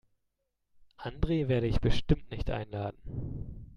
Andre werde ich bestimmt nicht einladen.